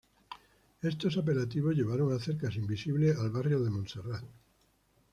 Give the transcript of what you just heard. Estos apelativos llevaron a hacer casi invisible al Barrio Montserrat.